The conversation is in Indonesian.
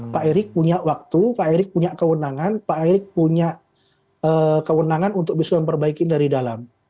pak erick punya waktu pak erick punya kewenangan pak erick punya kewenangan untuk bisa memperbaiki dari dalam